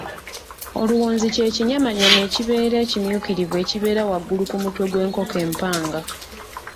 Oluwonzi kye kinyamanyama ekibeera ekimyukirivu ekibeera waggulu ku mutwe gw’enkoko empanga.